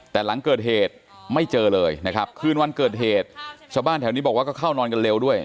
แต่หลังเกิดเหตุไม่เจอเลยนะครับคืนวันเกิดเหตุชาวบ้านแถวนี้บอกว่าก็เข้านอนกันเร็วด้วย